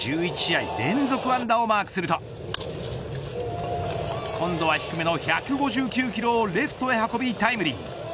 タイ１１試合連続安打をマークすると今度は低めの１５９キロをレフトへ運びタイムリー。